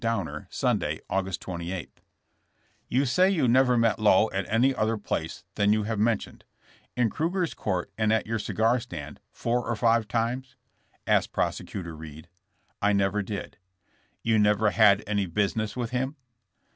Downer, Sun day, August 28. *'You say you never met Lowe at any other place than you have mentioned; in Krueger's court and at your cigar stand, four or five times?" asked Prose cutor Reed. "I never did." You never had any business with him?"